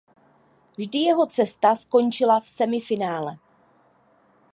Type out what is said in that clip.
Vždy jeho cesta skončila v semifinále.